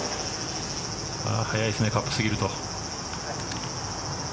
速いですね、カップ過ぎると。